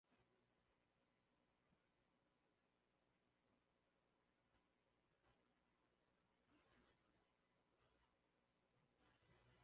wa vita katika kupigana na Wamachame na kupora ngombe na mazao yao hata mpaka